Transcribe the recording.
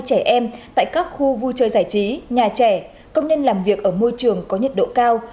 trẻ em tại các khu vui chơi giải trí nhà trẻ công nhân làm việc ở môi trường có nhiệt độ cao